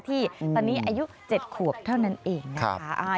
ที่ตอนนี้อายุ๗ขวบเท่านั้นเองนะคะ